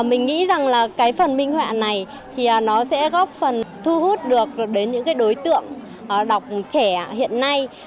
mình nghĩ rằng là cái phần minh họa này thì nó sẽ góp phần thu hút được đến những đối tượng đọc trẻ hiện nay